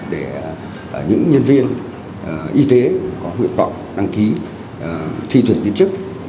để những nhân viên y tế có nguyện vọng đăng ký thi tuyển viên chức